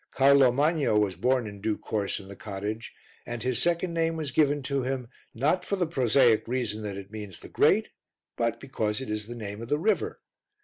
Carlo Magno was born in due course in the cottage, and his second name was given to him, not for the prosaic reason that it means the Great, but because it is the name of the river.